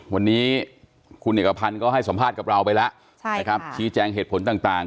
วันนี้คุณเอกพันธ์ก็ให้สัมภาษณ์กับเราไปแล้วนะครับชี้แจงเหตุผลต่าง